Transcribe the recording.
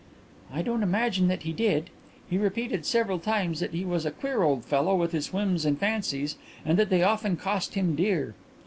"I don't imagine that he did. He repeated several times that he was a queer old fellow with his whims and fancies and that they often cost him dear."